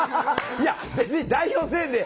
いや別に代表せんで。